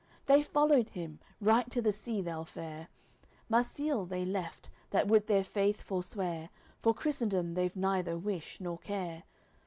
They followed him, right to the sea they'll fare; Marsile they left, that would their faith forswear, For Christendom they've neither wish nor care.